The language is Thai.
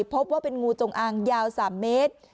พบว่าเป็นงูจงอางยาว๓เมตร